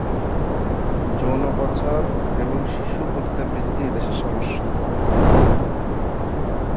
যৌন পাচার এবং শিশু পতিতাবৃত্তি এ দেশে সমস্যা।